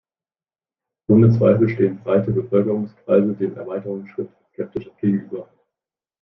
Ohne Zweifel stehen breite Bevölkerungskreise dem Erweiterungsschritt skeptisch gegenüber.